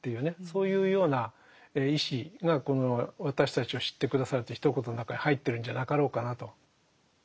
そういうような意思がこの「私たちを知って下さる」というひと言の中に入ってるんじゃなかろうかなと。